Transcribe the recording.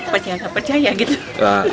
percaya nggak percaya gitu